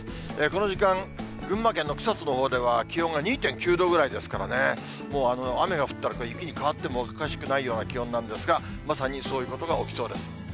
この時間、群馬県の草津のほうでは、気温が２．９度ぐらいですからね、もう雨が降ったら、雪に変わってもおかしくないような気温なんですが、まさにそういうことが起きそうです。